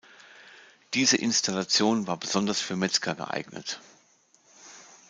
Diese Installation war besonders für Metzger geeignet.